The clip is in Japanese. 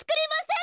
ん？